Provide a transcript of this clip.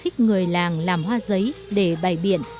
khuyến khích người làng làm hoa giấy để bày biển